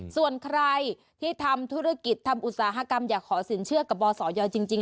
ส่วนใครที่ทำธุรกิจทำอุตสาหกรรมอยากขอสินเชื่อกับบศยจริง